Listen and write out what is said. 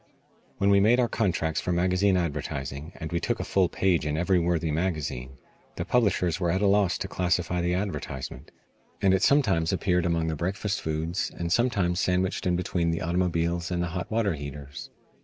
When we made our contracts for magazine advertising and we took a full page in every worthy magazine the publishers were at a loss to classify the advertisement, and it sometimes appeared among the breakfast foods, and sometimes sandwiched in between the automobiles and the hot water heaters.